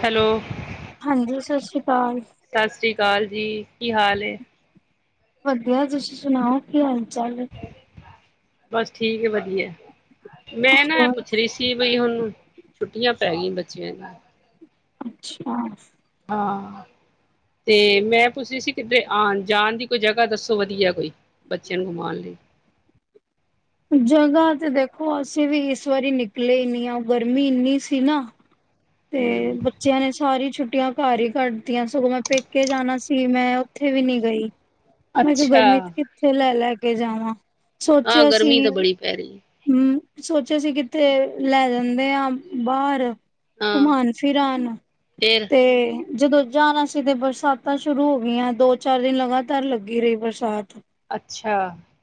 Hello ਹਾਂਜੀ ਸਤਿ ਸ਼੍ਰੀ ਅਕਾਲ ਹਾਂ ਸਤਿ ਸ੍ਰੀ ਅਕਾਲ ਜੀ, ਕੀ ਹਾਲ ਏ। ਵਧੀਆ ਤੁਸੀਂ ਸੁਣਾਓ, ਕੀ ਹਾਲ -ਚਾਲ ਏ। ਬਸ ਠੀਕ ਹੈ, ਵਧੀਆ ਐ। ਮੈਂਨਾ ਐ ਹੋਰ ਪੁੱਛ ਰਹੀ ਸੀ, ਬਈ ਹੁਣ ਛੁੱਟੀਆਂ ਪੈ ਗਈਆਂ ਬੱਚਿਆਂ ਦੀ। ਅੱਛਾ ਹਾਂ ਤੇ ਮੈਂ ਪੁੱਛ ਰਹੀ ਸੀ ਕਿੱਧਰੇ ਆਣ ਜਾਣ ਦੀ ਕੋਈ ਜਗ੍ਹਾ ਦੱਸੋ ਵਧੀਆ ਕੋਈ, ਬੱਚਿਆਂ ਨੂੰ ਘੁਮਾਉਣ ਲਈ। ਜਗ੍ਹਾ ਤੇ ਦੇਖੋ ਅਸੀਂ ਵੀ ਇਸ ਵਾਰੀ ਨਿਕਲੇ ਹੀ ਨਹੀ ਆ, ਗਰਮੀ ਇੰਨੀ ਸੀ ਨਾ। ਤੇ ਹਮ ਬੱਚਿਆਂ ਨੇ ਸਾਰੀ ਛੁੱਟੀ ਛੁੱਟੀਆਂ ਘਰ ਹੀ ਕੱਢਦੀਆਂ, ਸਗੋਂ ਮੈਂ ਪੇਕੇ ਜਾਣਾ ਸੀ ਮੈਂ ਔਥੇ ਵੀ ਨੀ ਗਈ। ਮੈਂ ਕਿਹਾ ਅੱਛਾ ਗਰਮੀ ਚ ਕਿੱਥੇ ਲੈ ਲੈ ਤੇ ਜਾਵਾਂ ਹਾਂ ਗਰਮੀ ਤਾਂ ਬੜੀ ਪੈ ਰਹੀ ਐ। ਹੂ, ਸੋਚਿਆ ਸੀ ਕਿੱਥੇ ਲੈ ਜਾਂਦੇ ਆ, ਬਾਹਰ। ਹਾਂ ਘੁੰਮਾਉਣ ਫਿਰਾਣ ਫੇਰ ਤੇ ਜਦੋਂ ਜਾਣਾ ਸੀ ਤੇ ਬਰਸਾਤਾਂ ਸ਼ੁਰੂ ਹੋ ਗਈਆਂ, ਦੋ ਚਾਰ ਦਿਨ ਲਗਾਤਾਰ ਲੱਗੀ ਰਹੀ ਬਰਸਾਤ। ਅੱਛਾ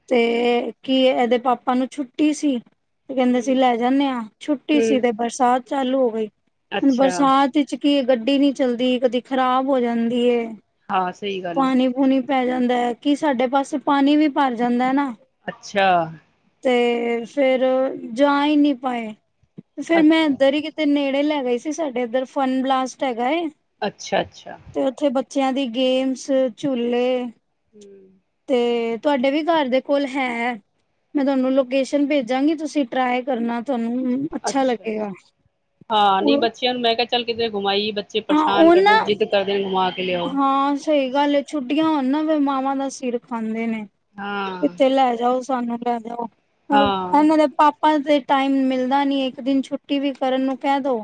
ਤੇ ਕੀ ਇਹਦੇ ਪਾਪਾ ਨੂੰ ਛੁੱਟੀ ਸੀ ਤੇ ਕਹਿੰਦੇ ਸੀ ਹਮ ਲੈ ਜਾਂਨੇ ਆ, ਛੁੱਟੀ ਸੀ ਹਮ ਤੇ ਬਰਸਾਤ ਚਾਲੂ ਹੋ ਗਈ ਹੁਣ ਅੱਛਾ ਬਰਸਾਤ ਵਿੱਚ ਕੀ ਗੱਡੀ ਨੀ ਚੱਲਦੀ, ਕਦੀ ਖ਼ਰਾਬ ਹੋ ਜਾਂਦੀ ਹਾਂ ਸਹੀ ਗੱਲ ਐ। ਪਾਣੀ ਪੂਣੀ ਪੈ ਜਾਂਦਾ, ਕਿ ਸਾਡੇ ਪਾਸੇ ਪਾਣੀ ਵੀ ਭਰ ਜਾਂਦਾ ਐਨਾ ਅੱਛਾ ਤੇ ਫੇਰ ਜਾ ਹੀ ਨਿ ਪਾਏ ਤੇ ਫੇਰ ਮੈਂ ਅੱਛਾ ਇੱਧਰ ਹੀ ਕਿਤੇ ਨੇੜੇ ਲੈ ਗਏ ਸੀ ਸਾਡੇ ਇੱਧਰ ਫਨ ਬਲਾਸਟ ਹੈਗਾ ਏ ਅੱਛਾ-ਅੱਛਾ ਤੇ ਉੱਥੇ ਬੱਚਿਆਂ ਦੀ ਗੇਮਸ ਝੂਲੇ ਹੂ ਤੇ ਤੁਹਾਡੇ ਵੀ ਘਰ ਦੇ ਕੋਲ ਹੈ, ਮੈਂ ਤੁਹਾਨੂੰ ਲੋਕੇਸ਼ਨ ਭੇਜਾਂਗੀ ਤੁਸੀਂ ਟਰਾਈ ਕਰਨਾ ਤੁਹਾਨੂੰ ਅੱਛਾ ਲੱਗੇਗਾ, ਹਾਂ ਉ ਨਹੀਂ ਬੱਚਿਆਂ ਨੂੰ ਮੈਂ ਕਿਹਾ ਚੱਲ ਕਿਥੇ ਘੁਮ ਆਈਏ ਬੱਚੇ ਪਰੇਸ਼ਾਨ ਕਰਦੇ ਜਿੱਦ ਕਰਦੇ ਨੇ ਘੂਮਾ ਹਾਂ ਸਹੀ ਗੱਲ ਹੈ, ਛੁੱਟੀਆਂ ਹੋਣ ਨਾ ਮਾਵਾਂ ਦਾ ਸਿਰ ਖਾਂਦੇ ਨੇ ਹਾਂ ਕਿਥੇ ਲੇ ਜਾਓ ਸਾਨੂੰ ਲੈ ਦਓ ਹਾਂ ਏਨਾਂ ਦੇ ਪਾ ਆਪਾਂ ਤੇ ਟਾਈਮ ਮਿਲਦਾ ਨੀ ਇੱਕ ਦਿਨ ਛੁੱਟੀ ਵੀ ਕਰਨ ਨੂੰ ਕਹਿ ਦੋ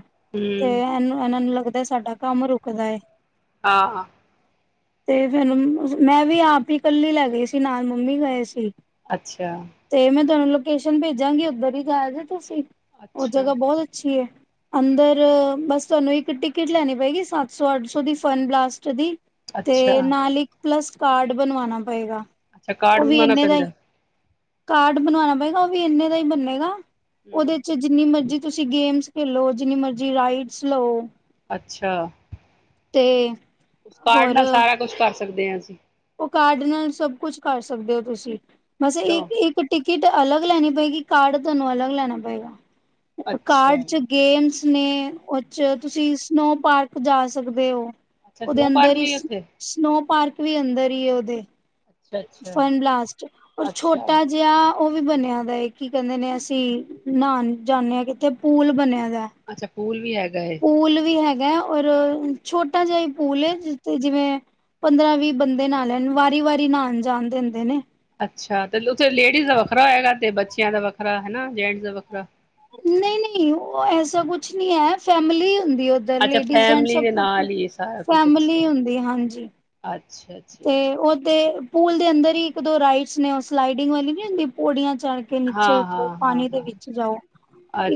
ਤੇ ਹੂੰ ਇਹਨੂੰ ਇਹਨਾਂ ਨੂੰ ਲੱਗਦਾ ਸਾਡਾ ਕੰਮ ਰੁਕਦਾ ਹਾਂ ਹਾਂ ਤੇ ਫੈਨੂੰ ਮੈਂ ਵੀ ਆਪ ਹੀ ਕੱਲੀ ਲੈ ਗਈ ਸੀ ਨਾਲ ਮੰਮੀ ਗਏ ਸੀ ਅੱਛਾ ਤੇ ਮੈਂ ਤੁਹਾਨੂੰ ਲੋਕੇਸ਼ਨ ਭੇਜਾਂਗੇ ਉੱਧਰ ਹੀ ਜਾ ਜੇ ਤੁਸੀਂ ਉਹ ਅੱਛਾ ਜਗ੍ਹਾ ਬਹੁਤ ਅੱਛੀ ਏ ਅੰਦਰ ਬਸ ਤੁਹਾਨੂੰ ਇੱਕ ਟਿਕਟ ਲੈਣੀ ਪਏਗੀ ਸੱਤਸੌ ਅੱਠਸੌ ਦੀ ਫਨ ਬਲ ਦੀ ਤੇ ਅੱਛਾ ਨਾਲ ਇੱਕ ਪਲੱਸ, ਕਾਰਡ ਬਣਵਾਉਣਾ ਪਏਗਾ ਅੱਛਾ ਕਾਰਡ ਉਹ ਵੀ ਬਣਵਾਉਣਾ ਇੰਨੇ ਦਾ ਹੀ ਪੈਂਦਾ ਕਾਰਡ ਬਣਵਾਉਣਾ ਪਏਗਾ ਉਹ ਵੀ ਇੰਨੇ ਦਾ ਹੀ ਬੰਨੇਗਾ ਉਹਦੇ ਹੂੰ ਚ ਜਿੰਨੀ ਮਰਜ਼ੀ ਤੁਸੀਂ ਗੇਮਸ ਖੇਲੋ ਜਿੰਨੀ ਮਰਜੀ ਰਾਈਡਸ ਲਓ ਅੱਛਾ ਤੇ ਉਸ ਕਾਰਡ ਹੋਰ ਨਾਲ ਸਾਰਾ ਕੁਛ ਕਰ ਸਕਦੇ ਹਾਂ ਅਸੀ ਉਹ ਕਾਰਡ ਨਾਲ ਸਭ ਕੁਛ ਕਰ ਸਕਦੇ ਹੋ ਤੁਸੀਂ ਮਸ ਅੱਛਾ ਇੱਕ ਇੱਕ ਕਿਟ ਅਲੱਗ ਲੈਣੀ ਪਏਗੀ ਕਾਰਡ ਤੁਹਾਨੂੰ ਅਲੱਗ ਲੈਣਾ ਪਏਗਾ ਅੱਛਾ ਕਾਰਡ ਚ ਗੇਮਸ ਨੇ ਉਹ ਤੁਸੀਂ ਸਨੋ ਪਾਰਕ ਜਾ ਸਕਦੇ ਹੋ ਅੱਛਾ ਉਹਦੇ ਸਨੋ ਪਾਰਕ ਅੰਦਰ ਹੀ ਵੀ ਉੱਥੇ ਸਨੋ ਪਾਰਕ ਵੀ ਅੰਦਰ ਦਰੀ ਉਹ ਦੇ ਅੱਛਾ ਅੱਛਾ ਫਨ ਬਲਾਸਟ ਔਰ ਅੱਛਾ ਛੋਟਾ ਜਿਹਾ ਉਹ ਵੀ ਬਣਿਆ ਦਾ ਹੈ ਕੀ ਕਹਿੰਦੇ ਨੇ ਅਸੀਂ ਨਹਾਉਣ ਜਾਂਦੇ ਹਾਂ ਕਿੱਥੇ ਪੂਲ ਬਣਿਆ ਦਾ ਅੱਛਾ ਪੂਲ ਵੀ ਹੈਗੇ ਗਏ ਪੂਲ ਵੀ ਹੈਗਾ ਹੈ ਔਰ ਛੋਟਾ ਜਿਹਾ ਪੂਲ ਜਿੱਥੇ ਜਿਵੇਂ ਪੰਦਰਾਂ ਵੀਹ ਬੰਦੇ ਨਾਲ ਲੈਣ ਵਾਰੀ ਵਾਰੀ ਨਉਣ ਜਾਣ ਦਿੰਦੇ ਨੇ ਅੱਛਾ ਤੇ ਉੱਥੇ ਲੇਡੀਜ਼ ਦਾ ਵੱਖਰਾ ਹੋਗਾ ਤੇ ਬੱਚਿਆਂ ਦਾ ਵੱਖਰਾ ਹਨਾਂ ਜੈਂਟਸ ਦਾ ਵੱਖਰਾ। ਨਈਂ ਨਈਂ, ਉਹ ਐਸਾ ਕੁਛ ਨਈਂ ਐ ਫੈਮਲੀ ਹੁੰਦੀ ਉਧਰ ਅੱਛਾ ਲੇਡੀਜ਼ ਜੈਂਟਸ ਫੈਮਲੀ ਸਬ ਦੇ ਨਾਲ ਹੀ ਸਾਰਾ ਕੁਝ ਅੱਛਾ ਫੈਮਲੀ ਹੁੰਦੀ। ਹਾਂਜੀ। ਅੱਛਾ ਅੱਛਾ ਤੇ ਅੱਛਾ ਉਹਦੇ ਪੂਲ ਦੇ ਅੰਦਰ ਹੀ ਇੱਕ ਦੋ ਰਾਈਡਸ ਨੇਂ ਉਹ ਸਲਾਈਡਿੰਗ ਵਾਲੀ ਨੀਂ ਹੁੰਦੀ ਪੌੜੀਆਂ ਚੜ ਕੇ ਨੀਚੇ ਹਾਂ ਉਤਰੋ ਹਾਂ ਹਾਂ ਪਾਣੀ ਦੇ ਹਾਂ ਵਿੱਚ ਜਾਓ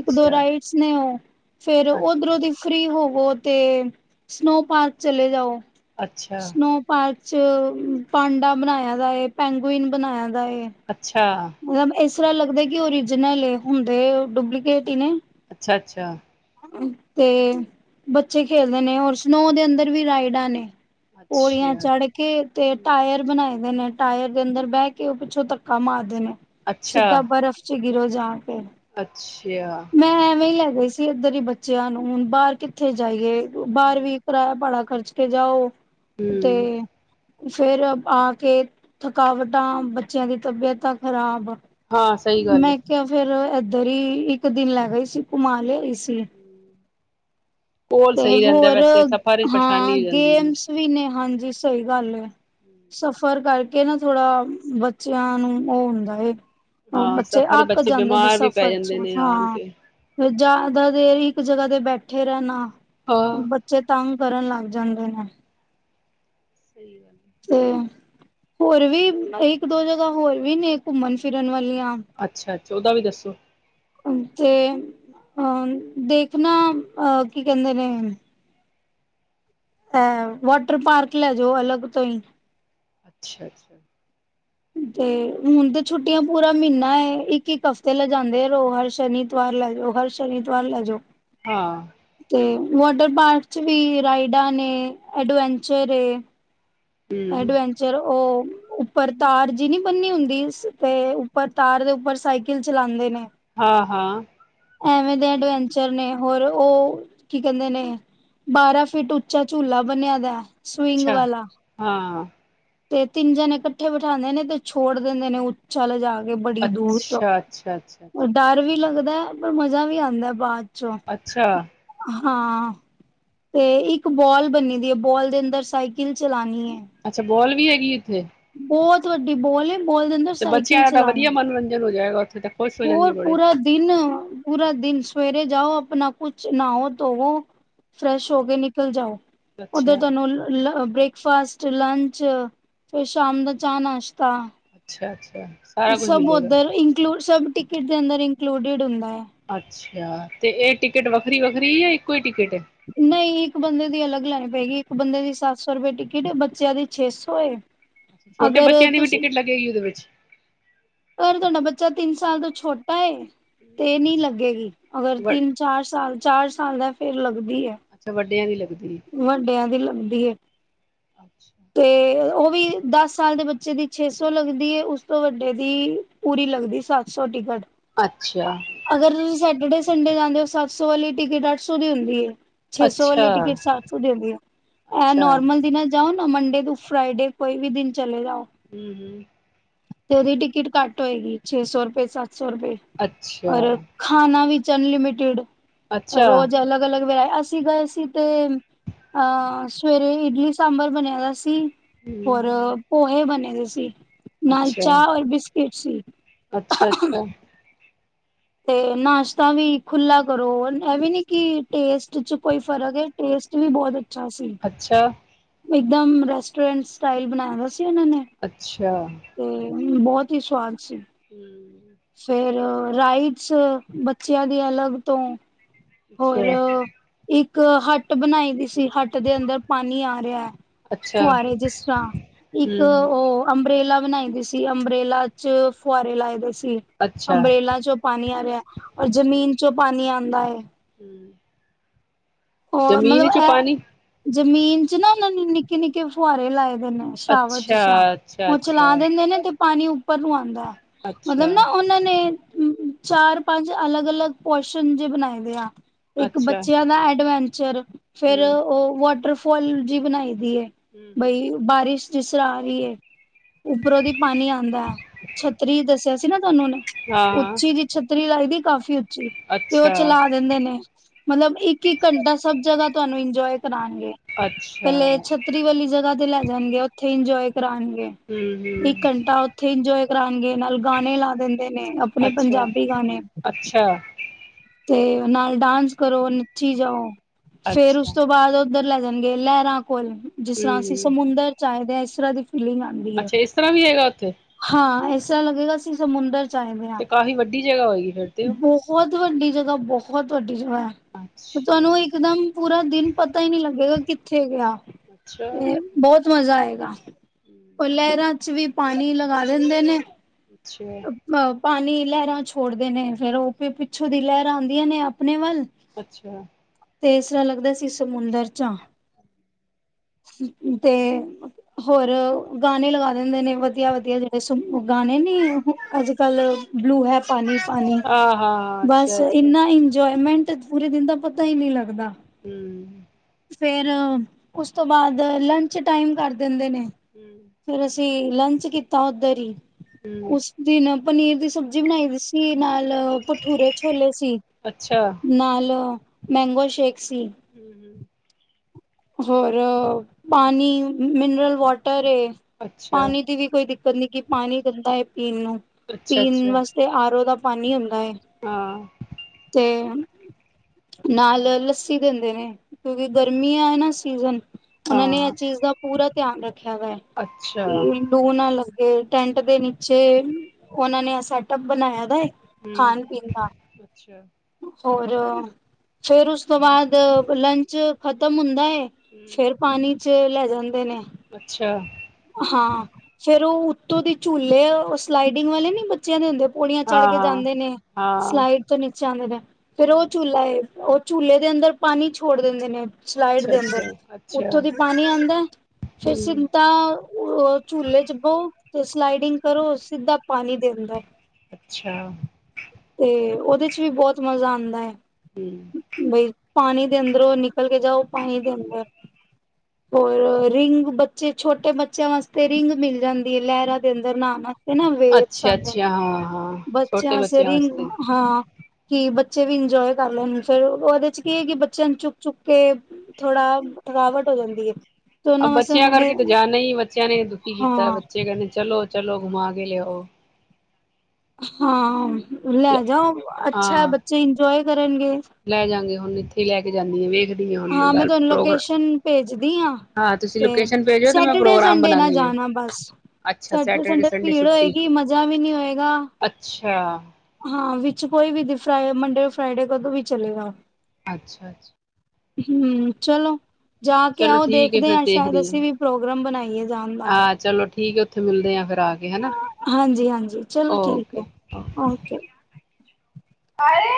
ਇੱਕ ਦੋ ਰਾਈਟਸ ਨੇਂ ਉਹ ਫੇਰ ਅੱਛਾ ਉਧਰੋਂ ਦੀ ਫ੍ਰਰੀ ਹੋ ਉਹ ਤੇ ਸਨੋ ਪਾਰਕ ਚਲੇ ਜਾਓ। ਅੱਛਾ ਸਨੋ ਪਾਰਕ ਚ ਭਾਂਡਾ ਬਣਾਇਆ ਦਾ ਏ, ਪੈਂਗੁਇਨ ਬਣਾਇਆ ਦਾ ਏ ਅੱਛਾ ਮਤਲਬ ਇਸ ਇਸ ਤਰ੍ਹਾਂ ਲੱਗਦਾ ਕਿ ਓਰੀਜਨਲ ਹੁੰਦੇ ਡੁਪਲੀਕੇਟ ਈ ਨੇਂ। ਅੱਛਾ ਅੱਛਾ। ਤੇ ਬੱਚੇ ਖੇਲਦੇ ਨੇਂ ਹੋਰ ਸਨੋ ਦੇ ਅੰਦਰ ਵੀ ਰਾਈਡਾਂ ਨੇ। ਅੱਛਾ ਪੋਰੀਆਂ ਅੱਛਾ ਚੜ ਕੇ ਤੇ ਹਮ ਟਾਇਰ ਬਣਾਏ ਦੇ ਨੇਂ ਟਾਇਰ ਦੇ ਅੰਦਰ ਬਹਿ ਕੇ, ਉਹ ਪਿੱਛੋਂ ਧੱਕਾ ਮਾਰਦੇ ਦੇ ਨੇਂ। ਅੱਛਾ ਸਿੱਧਾ ਬਰਫ਼ ਚ ਗਿਰੋਜ਼ਾ ਅੱਛਾ। ਗਏ ਸੀ ਇੱਧਰ ਹੀ ਬੱਚਿਆਂ ਨੂੰ ਹੁਣ ਬਾਹਰ ਕਿੱਥੇ ਜਾਈਏ? ਬਾਹਰ ਹਮ ਵੀ ਕਿਰਾਇਆ ਭਾੜਾ ਖਰਚ ਕੇ ਜਾਓ। ਹਮ ਤੇ ਫੇਰ ਆ ਕੇ ਥਕਾਵਟਾਂ, ਬੱਚਿਆਂ ਦੀਆਂ ਤਬੀਅਤਾਂ ਖਰਾਬ। ਹਾਂ ਸਹੀ ਗੱਲ ਹੈ ਮੈਂ ਕਿਹਾ ਫੇਰ ਏ ਉੱਧਰ ਹੀ ਇੱਕ ਦਿਨ ਲੈ ਗਏ ਸੀ, ਘੁੰਮਾ ਲਿਆਈ ਸੀ। ਕੋਲ ਤੇ ਸਹੀ ਰਹਿੰਦਾ ਹੋਰ ਵੈਸੇ ਸਫ਼ਰ ਚ ਹਾਂ, ਪਰੇਸ਼ਾਨੀ ਹੋ ਜਾਂਦੀ ਹੈ ਗੇਮਸ ਵੀ ਨੇਂ ਹਾਂਜੀ, ਸਹੀ ਗੱਲ ਐ। ਸਫ਼ਰ ਕਰਕੇ ਨਾਂ ਥੋੜਾ ਬੱਚਿਆਂ ਨੂੰ ਉਹ ਹੁੰਦਾ ਏ ਉਹ ਹਾਂ ਬੱਚੇ ਸਫ਼ਰ ਅੱਕ ਬੱਚੇ ਜਾਂਦੇ ਨੇਂ, ਬਿਮਾਰ ਵੀ ਪੈ ਸਫ਼ਰ ਚ ਜਾਂਦੇ ਨੇ ਆਣ ਹਾਂ, ਕੇ ਫੇਰ ਜਾ ਦਾਂ ਦੇਰ ਹੀ ਇੱਕ ਜਗ੍ਹਾ ਤੇ ਬੈਠੇ ਰਹਿਣਾ। ਹਾਂ ਬੱਚੇ ਤੰਗ ਕਰਨ ਲੱਗ ਜਾਂਦੇ ਨੇਂ। ਸਹੀ ਗੱਲ। ਹੈ। ਤੇ ਹੋਰ ਵੀ ਇੱਕ ਦੋ ਜਗ੍ਹਾ ਹੋਰ ਵੀ ਨੇ ਘੁੰਮਣ-ਫਿਰਨ ਵਾਲੀਆਂ। ਅੱਛਾ, ਅੱਛਾ। ਉਹਦਾ ਵੀ ਦੱਸੋ। ਤੇ ਅਹ ਦੇਖਣਾ, ਅ ਕੀ ਕਹਿੰਦੇ ਨੇ। ਐ ਵੋਟਰ ਪਾਰਕ ਲੈ ਜਾਓ, ਅਲਗ ਤੋਂ ਹੀ। ਅੱਛਾ, ਅੱਛਾ। ਤੇ ਹੁਣ ਤੇ ਛੁੱਟੀਆਂ ਪੂਰਾ ਮਹੀਨਾ ਹੈ। ਇੱਕ-ਇੱਕ ਹਫ਼ਤੇ ਲੈ ਜਾਂਦੇ ਰਹੋ। ਹਰ ਸ਼ਨੀ-ਇਤਵਾਰ ਲੈ ਜਾਓ, ਹਰ ਸ਼ਨੀ- ਇਤਵਾਰ ਲੈ ਜਾਓ। ਹਾਂ। ਤੇ ਵਾਟਰ ਪਾਰਕ ਚ ਵੀ ਰਾਈਡਾਂ ਨੇ, ਐਡਵੈਂਚਰ ਏ। ਹਮ ਅਡਵੈਂਚਰ ਉਹ ਉੱਪਰ ਤਾਰ ਜੀ ਨੀ ਬੰਣਨੀ ਹੁੰਦੀ, ਤੇ ਉੱਪਰ ਤਾਰ ਦੇ ਉੱਪਰ ਸਾਈਕਲ ਚਲਾਂਦੇ ਨੇ। ਹਾਂ, ਹਾਂ। ਐਵੇਂ ਦੇ ਐਡਵੈਂਚਰ ਨੇ, ਹੋਰ ਉਹ ਕੀ ਕਹਿੰਦੇ ਨੇ? ਬਾਰਾਂ ਫਿਟ ਉੱਚਾ ਝੂਲਾ ਬਣਿਆ ਦਾ। ਸਵਿੰਗ ਅੱਛਾ, ਵਾਲਾ ਹਾਂ। ਤੇ ਤਿੰਨ ਜਣੇ ਇਕੱਠੇ ਬਿਠਾਉਂਦੇ ਨੇ, ਤੇ ਛੋੜ ਦਿੰਦੇ ਨੇ ਉੱਚਾ ਲਿਜਾ ਕੇ। ਬੜੀ ਦੂਰ ਅੱਛਾ ਅੱਛਾ ਅੱਛਾ ਤਕ ਅੱਛਾ ਡਰ ਵੀ ਲੱਗਦਾ। ਪਰ ਮਜ਼ਾ ਵੀ ਆਉਂਦਾ, ਬਾਅਦ ਚੋਂ ਅੱਛਾ। ਹਾਂ, ਤੇ ਇੱਕ ਬੋਲ ਬੰਨੀ ਦੀ ਹੈ। ਬੋਲ ਦੇ ਅੰਦਰ ਸਾਈਕਲ ਚਲਾਣੀ ਹੈ। ਅੱਛਾ, ਬੋਲ ਵੀ ਹੈਗੀ ਹੈ। [inaudible] ਤੁਹਾੱਡੀ ਬੋਲ ਏ ਬੋਲ ਦੇ ਅੰਦਰ ਤੇ ਬੱਚਿਆਂ ਸਾਈਕਲ ਦਾ ਤਾਂ ਚਲਾਣੀ। ਵਧੀਆ ਮਨੋਰੰਜਨ ਹੋ ਗਾ ਹੋਰ ਪੂਰਾ ਦਿਨ ਪੂਰਾ ਦਿਨ ਸਵੇਰੇ ਜਾਓ ਆਪਣਾ ਕੁਛ ਨਾਹੋ ਧੋਵੋ ਫਰੈਸ਼ ਹੋ ਕੇ ਨਿਕਲ ਜਾਓ ਉੱਧਰ ਅੱਛਾ ਤੁਹਾਨੂੰ ਲੱ ਬ੍ਰੇਕ ਫਾਸਟ ਲੰਚ ਫੇਰ ਸ਼ਾਮ ਦਾ ਚਾਹ ਨਾਸ਼ਤਾ ਅੱਛਾ-ਅਛਾ ਸਭ ਉੱਧਰ ਇਨਕਲੂਡ ਸਭ ਟਿਕਟ ਦੇ ਅੰਦਰ ਇੰਕਲੂਡਡ ਹੁੰਦਾ ਹੈ ਅੱਛਾ ਤੇ ਇਹ ਟਿਕਟ ਵੱਖਰੀ-ਵੱਖਰੀ ਯਾ ਇੱਕੋ ਹੀ ਟਿਕਟ ਹੈ ਨਹੀਂ ਇੱਕ ਬੰਦੇ ਦੀ ਅਲੱਗ ਲੈਣੀ ਪਏਗੀ ਬੰਦੇ ਦੀ ਸੱਤ ਸੌ ਰੁਪਏ ਟਿਕਟ ਏ ਬੱਚਿਆਂ ਦੀ ਛੇ ਸੌ ਏ ਛੋਟੇ ਅਗਰ ਬੱਚਿਆਂ ਦੀ ਵੀ ਤੁਸੀਂ ਟਿਕਟ ਲੱਗੇਗੀ ਉਹਦੇ ਵਿੱਚ ਅਗਰ ਤੁਹਾਡਾ ਬੱਚਾ ਤਿੰਨ ਸਾਲ ਤੋਂ ਛੋਟਾ ਏ ਤੇ ਨੀ ਲੱਗੇਗੀ ਅਗਰ ਵ ਤਿੰਨ ਚਾਰ ਸਾਲ ਚਾਰ ਆਂਦਾ ਫੇਰ ਲੱਗਦ ਦੀਯਾ ਅੱਛਾ ਵੱਡਿਆਂ ਦੀ ਲੱਗਦੀ ਵੰਡਿਆਂ ਦੀ ਲਗਦੀ ਹੈ ਅੱਛਾ ਤੇ ਉਹ ਵੀ ਦਸ ਸਾਲ ਦੇ ਬੱਚੇ ਦੀ ਛੇ ਸੌ ਲੱਗਦੀ ਏ ਉਸ ਤੋਂ ਵੱਡੇ ਦੀ ਪੂਰੀ ਲੱਗਦੀ ਸੱਤ ਸੌ ਟਿਕਟ ਅੱਛਾ ਅਗਰ ਤੁਸੀਂ ਸੈਟਰਡੇ ਸੰਡੇ ਜਾਂਦੇ ਹੋ ਸੱਤ ਸੌ ਵਾਲੀ ਟਿਕਟ ਅੱਠ ਸੌ ਦੀ ਹੁੰਦੀ ਹੈ ਛੇ ਸੌ ਵਾਲੀ ਟਿਕਟ ਅੱਛਾ ਸੱਤ ਸੌ ਹੁਂਦੀ ਆ ਇਹ ਅੱਛਾ ਨੋਰਮਲ ਦਿਨਾਂ ਜਾਓ ਮੰਡੇ ਟੁ ਫਰਾਈਡੇ ਕੋਈ ਵੀ ਦਿਨ ਚਲੇ ਜਾਓ ਹਮ ਹਮ ਤੇ ਉਹਦੀ ਟਿਕਟ ਘੱਟ ਹੋਏਗੀ ਛੇ ਸੌ ਰੁਪਏ ਸੱ ਸੌ ਰੁਪਏ ਅੱਛਾ ਔਰ ਖਾਣਾ ਵੀ ਅਨਲਿਮਿਟਿਡ ਅੱਛਾ ਰੋਜ਼ ਅਲੱਗ ਅਲਗ ਵੈ ਅਸੀਂ ਗਏ ਸੀ ਤੇ ਅਹ ਸਵੇਰੇ ਇਡਲੀ ਸਾਂਬਰ ਬਣਿਆ ਅਸੀ ਹੋਰ ਹਮ ਪੋਹੇ ਬੰਣ ਹੋਏਸੀਂ ਨਾਲ ਅੱਛਾ ਚਾਹ ਔਰ ਬਿਸਕਿਟ ਸੀ। ਅੱਛਾ ਅੱਛਾ ਤੇ ਨਾਸ਼ਤਾ ਵੀ ਖੁਲਾ ਕਰੋ, ਇਹ ਵੀ ਨੀ ਕਿ ਟੇਸਟ ਚ ਕੋਈ ਫਰਕ ਹੈ ਟੇਸਟ ਵੀ ਬਹੁਤ ਅੱਛਾ। ਇਕਦਮ ਰੈਸਟੋਰੈਂਟ ਸਟਾਈਲ ਬਣਾਇਆ ਦਾ ਸ ਅੱਛਾ। ਹਮ ਬਹੁਤ ਹੀ ਸੁਆਦ ਸੀ। ਹਮ। ਫੇਰ ਰਾਈਟਸ ਬੱਚਿਆਂ ਦੀ ਅਲੱਗ ਤੋਂ ਹੋਰ ਅੱਛਾ ਇੱਕ ਇੱਕ ਹੱਟ ਬਣਾਈ ਦੀ ਸੀ। ਹੱਟ ਦੇ ਅੰਦਰ ਪਾਣੀ ਆ ਰਿਹਾ ਹੈ, ਅੱਛਾ ਫੁਆਰੇ ਜਿਸ ਤਰ੍ਹਾਂ, ਇੱਕ ਹਮ ਉਹ ਅੰਬਰੇਲਾ ਬਣਾਈਦੀ ਸੀ, ਅੰਬਰੇਲਾ ਚ ਫੁਆਰੇ ਲਾਏ ਦੇ ਸੀ। ਅੱਛਾ ਅੰਬਰੇਲਾ ਚੋਂ ਪਾਣੀ ਆ ਰਿਹਾ, ਔਰ ਜਮੀਨ ਚੋਂ ਪਾਣੀ ਆਉਂਦਾ ਹੈ। ਹਮ। ਔਰ ਜ਼ਮੀਨ ਮਤਲਬ ਈਚੋਂ ਇਹ ਪਾਣੀ ਜ਼ਮੀਨ ਚ ਨਾ ਉਹਨਾਂ ਨੇ ਨਿੱਕੇ-ਨਿੱਕੇ ਫੁਹਾਰੇ ਲਾਏ। ਦੀਨੇ ਸ਼ਾਵਰ ਅੱਛਾ ਜਿਸ ਰ੍ਹਾਂ, ਅੱਛਾ ਉਹ ਚਲਾ ਅੱਛਾ ਦਿੰਦੇ ਨੇ ਤੇ ਪਾਣੀ ਉੱਪ ਉਪਰ ਨੂੰ ਆਉਂਦਾ ਏ। ਮਤਲਬ ਅੱਛਾ ਨਾ ਉਹਨਾਂ ਨੇ ਅਮ-ਅਮ ਚਾਰ, ਪੰਜ ਅਲੱਗ-ਅਲੱਗ ਪੋਰਸ਼ਨ ਜੇ ਬਣਾਏ ਦੇ ਆ। ਇੱਕ ਅੱਛਾ ਬੱਚਿਆਂ ਦਾ ਐ ਐਡਵੈਂਚਰ। ਫੇਰ ਹਮ ਉਹ ਵਾਟਰ ਪੂਲ ਜੀ ਬਣਾਈ। [unintelligible] ਹਮ ਹਮ ਬਈ ਬਾਰਿਸ਼ ਜਿਸ ਤਰ੍ਹਾਂ ਆ ਰਹੀ ਏ, ਉੱਪਰੋਂਦੀ ਪਾਣੀ ਆਉਂਦਾ ਏ, ਛੱਤਰੀ ਦੱਸਿਆ ਸੀ ਨਾ। [unintelligible] ਹਾਂ ਉੱਚੀ ਜੀ ਛੱਤਰੀ ਲਾਈ ਕਾਫੀ ਤੇ ਉਹ ਅੱਛਾ ਚਲਾ ਦਿੰਦੇ ਨੇ। ਮਤਲਬ ਇੱਕ ਇੱਕ-ਇੱਕ ਘੰਟਾ ਸਭ ਜਗ੍ਹਾ ਤੁਹਾਨੂੰ ਇੰਜੋਏ ਕਰਾਂਗੇ, ਅੱਛਾ ਪਹਿਲੇ ਹਮ ਛੱਤਰੀ ਵਾਲੀ ਜਗ੍ਹਾ ਤੇ ਲੈ ਜਾਣਗੇ ਉੱਥੇ ਇੰਜੋਏ ਕਰਗੇ ਹਮ ਇੱਕ ਘੰਟਾ ਉੱਥੇ ਇੰਜੋਏ ਕਰਗੇ ਨਾਲ ਗਾਣੇ ਲਾ ਦਿੰਦੇ ਨੇ ਆਪਣੇ ਅੱਛਾ ਪੰਜਾਬੀ ਗਾਣੇ ਅੱਛਾ ਤੇ ਨਾਲ ਡਾਂਸ ਕਰੋ ਨੱਚੀ ਜਾਓ ਫੇਰ ਅੱਛਾ ਉਸ ਤੋਂ ਬਾਅਦ ਉੱਧਰ ਲ ਜਾਣਗੇਏ ਲ ਕੋਲ ਜਿਸ ਤਰ੍ਹਾਂ ਅਸੀਂ ਹਮ ਸਮੁੰਦਰ ਚਾਹੀਦੇ [unintelligible] ਫ ਆਉਂਦੀ ਹੈ ਅੱਛਾ ਇਸ ਤਰ੍ਹਾਂ ਵੀ ਹੈਗਾ ਉੱਥੇ ਹਾਂ ਇਸ ਅਛਾ ਲੱਗੇਗਾ ਸੀ ਸਮੁੰਦਰ ਚ ਆਏ ਦੇ ਹਾਂ। ਤੇ ਕਾਫ਼ੀ ਵੱਡੀ ਜਗ੍ਹਾ ਹੋਏਗੀ ਫਿਰ ਤੇ ਉਹ ਬਹੁਤ ਵੱਡੀ ਜਗ੍ਹਾ ਬਹੁਤ ਵੱ ਤੁਹਾਨੂੰ ਅੱਛਾ ਇੱਕਦਮ ਪੂਰਾ ਦਿਨ ਪਤਾ ਹੀ ਨਹੀਂੀ ਲੱਗੇਗਾ ਕਿੱਥੇ ਗਿਆ ਅੱਛਾ ਤੇ ਬਹੁਤ ਮਜ਼ਾ ਆਏਗਾ ਕੁਲਰਾ ਵੀ ਪਾਣੀ ਲਗਾ ਦਿੰਦੇ ਨੇ ਅੱਛਾ ਅ ਪਾਣੀ ਲਹਿਰਾਂ ਛੋੜਦੇ ਨੇ ਫੇਰ ਉਹ ਵੀ ਪਿੱਛੋਂ ਦੀ ਲਹਿਰ ਆਉਂਦੀਆਂ ਨੇ ਆਪਣੇ ਵੱਲ ਅੱਛਾ ਤੇ ਇਸ ਤਰ੍ਹਾਂ ਲੱਗਦਾ ਸੀ ਸਮੁੰਦਰ ਝਾ ਤੇ ਹੋਰ ਗਾਣੇ ਲਗਾ ਦਿੰਦੇ ਨੇ ਵਧੀਆ ਵਧੀਆ ਜਿਹੜੇ ਗਾਣੇ ਨੇ ਅੱਜ ਕੱਲ ਬਲੂ ਹੈਪ ਹਹ ਹਾਂ ਹਾਂ ਅੱਛਾ ਅੱਛਾ ਇੰਨਾ ਇੰਜੋਏ ਮਿੰਨਟ ਚ ਪੂਰੇ ਦਿਨ ਦਾ ਪਤਾ ਹੀ ਨਹੀਂੀ ਲੱਗਦਾ ਹਮ ਫੇਰ ਉਸ ਤੋਂ ਬਾਅਦ ਲੰਚ ਟਾਈਮ ਕਰ ਦਿੰਦੇ ਨੇ ਹਮ ਫੇਿਰ ਅਸੀਂ ਲੰਚ ਕੀਤਾ ਉੱਧਰ ਹੀ ਹਮ ਉਸ ਦਿਨ ਪਨੀਰ ਦੀ ਸਬਜ਼ੀ ਬਣਾਈ ਦੀ ਸੀ ਨਾਲ ਛੋਲੇ ਸੀ ਅੱਛਾ ਨਾਲ ਮੈਂਗੋ ਸ਼ੇਕ ਸੀ। ਹਮ ਹਮ ਹੋਰ ਪਾਣੀ ਮਿਨਰਲ ਵਾਟਰ ਏ ਅੱਛਾ ਪਾਣੀ ਦੀ ਵੀ ਕੋਈ ਦਿੱਕਤ ਨੀ ਕਿ ਪਾਣੀ ਗੰਦਾ ਏ ਪੀਣ ਨੂੰ ਅੱਛਾ ਪੀਣ ਅੱਛਾ ਵਾਸਤੇ ਆਰੋ ਦਾ ਪਾਣੀ ਹੁੰ [unintelligible] ਹਾਂ ਤੇ ਨਾਲ ਲੱਸੀ ਦਿੰਦੇ ਨੇ ਕਿਉਂਕਿ ਗਰਮੀਆਂ ਨਾ ਸੀਜ਼ਨ ਉਹਨਾਂ ਨੇ ਇਹ ਹਾਂ ਚੀਜ਼ ਦਾ ਪੂਰਾ ਧਿਆਨ ਰੱਖ ਰਖਿਆ ਵਾ ਅੱਛਾ ਕਿ ਲੂ ਨਾ ਲੱ ਤੇ ਟੈਂਟ ਦੇ ਨੀਚੇ ਉਹਨਾਂ ਨੇ ਸੈਟਅਪ ਬਣਾਇਆ ਦਾ ਏ ਹੂੰ ਅੱਛਾ ਔਰ ਫੇਰ ਉਸ ਤੋਂ ਬਾਅਦ ਲੰਚ ਖ਼ਤਮ ਹੁੰ [unintelligible] ਹਮ ਫੇਰ ਪਾਣੀ ਚ ਲੈ ਜਾਂ ਦੇ ਨੇ ਅੱਛਾ ਹਾਂ ਫੇਰ ਉਹ ਉੱਤੇ ਤੇ ਉਹਦੇ ਝੂਲੇ ਸਲਾਈਡਿੰਗ ਵਾਲੇ ਨੀ ਬੱਚਿਆਂ ਦੇ ਹੁੰਦੇ ਪੌੜੀਆਂ ਚੜ ਹਾਂ ਕੇ ਹਾਂ ਜਾਂਦੇ ਨੇ ਹਾਂ ਸਲਾਈਡ ਤੋਂ ਨੀਚੇ ਆਉਂਦੇ ਨੇ ਫੇਰ ਉਹ ਹਮ ਝੂਲਾ ਏ ਉਹ ਝੂਲੇ ਦੇ ਅੰਦਰ ਪਾਣੀ ਛੋੜ ਦਿੰਦੇ ਨੇ ਫਲਾਈਡ ਅੱਛਾ ਦੇ ਅੰਦਰ ਅੱਛਾ ਅੱਛਾ ਉੱਥੋਂ ਦੀ ਪਾਣੀ ਆਉਂਦਾ ਫਿਰ ਹਮ ਸਿੰਦਾ ਝੂਲੇ ਚ ਬਹੋ ਤੇ ਸਲਾਈਡਿੰਗ ਕਰੋ ਸਿੱਧਾ ਪਾਣੀ ਦੇ ਅੰਦਰ ਅੱਛਾ ਤੇ ਉਹ ਉਹਦੇ ਚ ਵੀ ਬਹੁਤ ਮਜ਼ਾ ਆਉਂਦਾ ਐ ਹੂੰ ਪਾਣੀ ਦੇ ਅੰਦਰੋਂ ਨਿਕਲ ਕੇ ਜਾਓ ਪਾਣੀ ਦੇ ਅੰਦਰ ਹੋਰ ਰਿੰਗ ਬੱਚੇ ਛੋਟੇ ਬੱਚਿਆਂ ਵਾਸਤੇ ਰਿੰਗ ਮਿਲ ਜਾਂਦੀ ਐ ਲਹਿਰਾਂ ਦੇ ਅੰਦਰ ਨਾਨ ਦੇ ਨਾ ਵੇਬਸ ਅੱਛਾ ਆਉਦੇ ਅੱਛਾ ਨੇ ਹਾਂ ਹਾਂ ਛੋਟੇ ਬੱਚਿਆਂ ਵਾਸਤੇ [unintelligible] ਹਾਂ ਕਿ ਬੱਚੇ ਵੀ ਇੰਜੋਏ ਕਰ ਲੈਣ ਫੇਿਰ ਉਹਦੇ ਚ ਕੀ ਹੈ ਕਿ ਬੱਚਿਆਂ ਨੂੰ ਚੁੱਕ ਚੁੱਕ ਕੇ ਥੋੜਾ ਥਕਾਵਟ ਹੋ ਜਾਂਦੀ ਐ ਬੱਚਿਆਂ ਕਰਕੇ ਤੇ ਜਾਣਾ ਹੀ ਬੱਚਿਆਂ ਨੇ ਦੁਖੀ ਕੀਤਾ ਹਾਂ ਬੱਚੇ ਕਹਿੰਦੇ ਚਲੋ ਚਲੋ ਘੁਮਾ ਕੇ ਲਿਆਓ ਹਾਂ ਲੈ ਜਾਓ ਅੱਛਾ ਹਾਂ ਬੱਚੇ ਇੰਜੋਏ ਕਰਨਗੇ ਲੈ ਜਾਂਗੇ ਹੁਣ ਇੱਥੇ ਹੀ ਲੈ ਕੇ ਜਾਂਦੀ ਆ ਵੇਖਦੇ ਹਾਂ ਮੈਂ ਤੁਹਾਨੂੰ ਲੋਕਸ਼ਨ ਭੇਜਦੀ ਹਾਂ ਤੁਸੀਂ ਤੇ ਲੋਕੇਸ਼ਨ ਭੇਜੋ ਤੇ ਮੈਂ ਸੈਟਰਡੇ ਪ੍ਰੋਗਰਾਮ ਸੰਡੇ ਨਾ ਬਣਾਨੀ ਆ ਜਾਣਾ ਬਸ ਸੈਟਰਡੇ ਸੰਡੇ ਭੀੜ ਹੋਏਗੀ ਮਜਾ ਵੀ ਨੀ ਹੋਏਗਾ ਅੱਛਾ ਹਾਂ ਵਿੱਚ ਕੋਈ ਵੀ ਫ ਮੰਡੇ ਫਰਾਈਡੇ ਕਦੋਂ ਵੀ ਚਲੇਗਾ ਅੱਛਾ ਅੱਛਾ ਹਮ ਚਲੋ ਜਾ ਕੇ ਚਲੋ ਆਓ ਠੀਕ ਹੈ ਦੇਖਦੇ ਫਿਰ ਹਾਂ ਸ਼ਾਇਦ ਦੇਖਦੀ ਹਾਂ ਅਸੀਂ ਵੀ ਪ੍ਰੋਗਰਾਮ ਬਣਾਈਏ ਜਾਣ ਦਾ ਉੱਥ ਮਿਲਦੇ ਆ ਫਿਰ ਆ ਕੇ ਹਨਾ ਹਾਂਜੀ ਹਾਂਜੀ ਚਲੋ ਠੀਕ ਓਕੇ ਹੈ ਓਕੇ ਘਾਰੇ